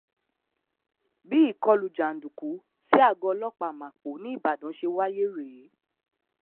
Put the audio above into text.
Bí ìkọlù jàǹdùkú sí àgọ ọlọ́pàá Màpó ní Ìbàdàn ṣe wáyé rèé.